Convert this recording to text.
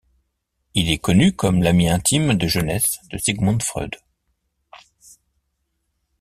Il est connu comme l'ami intime de jeunesse de Sigmund Freud.